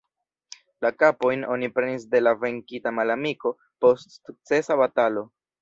La kapojn oni prenis de la venkita malamiko, post sukcesa batalo.